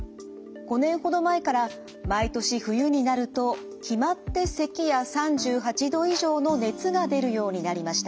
５年ほど前から毎年冬になると決まってせきや３８度以上の熱が出るようになりました。